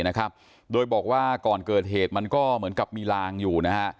นะครับโดยบอกว่าก่อนเกิดเหตุมันก็เหมือนกับมีลางอยู่นะฮะ